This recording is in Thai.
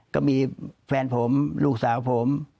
ก็มีแฟนผมลูกสาวผม